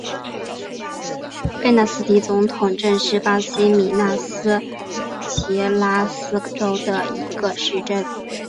贝纳迪斯总统镇是巴西米纳斯吉拉斯州的一个市镇。